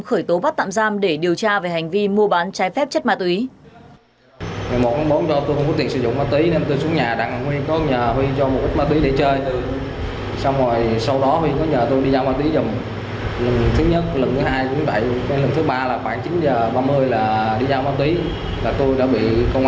khởi tố bắt tạm giam để điều tra về hành vi mua bán trái phép chất ma túy